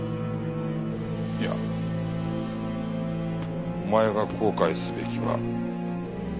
いやお前が後悔すべきは。